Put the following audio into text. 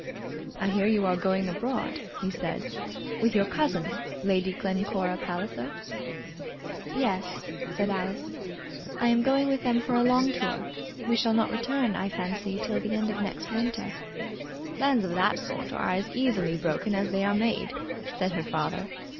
"I hear you are going abroad," he said, "with your cousin, Lady Glencora Palliser." [Illustration: She managed to carry herself with some dignity.] "Yes," said Alice; "I am going with them for a long tour. We shall not return, I fancy, till the end of next winter." "Plans of that sort are as easily broken as they are made," said her father.